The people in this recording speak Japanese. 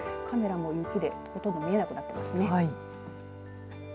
カメラも雪でほとんど見えなくなっていますね。